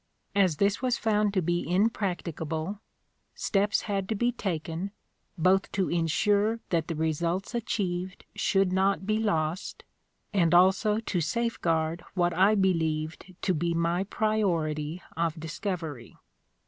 As this was found to be impracticable, steps had to be taken, both to ensure that the results achieved should not be lost, and also to safeguard what I believed to be my priority of discovery.